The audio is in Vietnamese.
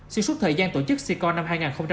suốt thời gian tổ chức sicor năm hai nghìn hai mươi ba